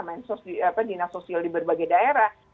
mensos dinas sosial di berbagai daerah